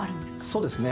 そうですね。